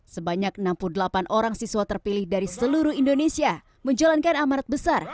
sebanyak enam puluh delapan orang siswa terpilih dari seluruh indonesia menjalankan amarat besar